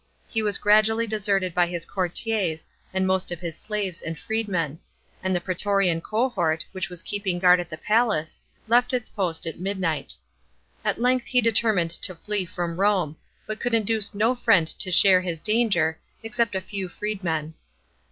He was gradually deserted by his courtiers and most of his slaves and freedmen ; and the praetorian cohort, which was keeping guard at the palace, left its post at midnight. At length he determined to flee from Rome, but could induce no friend to share his danger, except a few freed men.